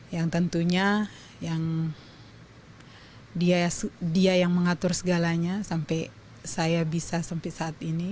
yang tentunya yang dia yang mengatur segalanya sampai saya bisa sampai saat ini